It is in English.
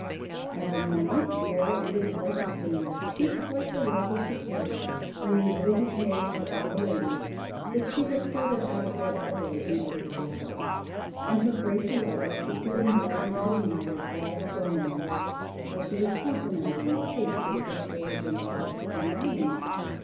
Every morning, Laura entered the breakfast room with cheeks like the roses she carried, bringing little bouquets for all the ladies, which she had started out of bed early, in order to gather; and her great delight was to see them worn and admired all the forenoon, while she was complimented on the taste with which they had been selected and arranged.